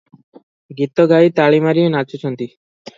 ଗୀତ ଗାଇ ତାଳି ମାରି ନାଚୁଛନ୍ତି ।